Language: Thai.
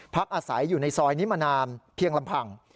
พักอาศัยอยู่ในซอยนี้มานานเพียงลำพัง